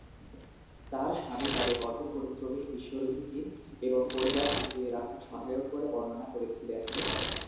তার স্বামী তাকে কঠোর পরিশ্রমী, ঈশ্বর-ভীতি এবং পরিবার টিকিয়ে রাখার সহায়ক বলে বর্ণনা করেছিলেন।